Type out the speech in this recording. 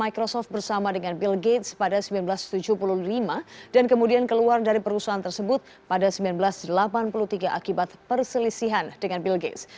dan microsoft bersama dengan bill gates pada seribu sembilan ratus tujuh puluh lima dan kemudian keluar dari perusahaan tersebut pada seribu sembilan ratus delapan puluh tiga akibat perselisihan dengan bill gates